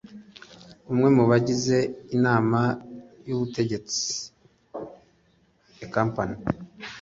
umwe mu bagize inama y ubutegetsi a company